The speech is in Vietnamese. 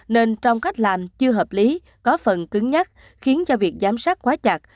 nên trong cách làm chưa hợp lý có phần cứng nhắc khiến cho việc giám sát quá chặt